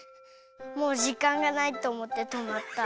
もうじかんがないとおもってとまった。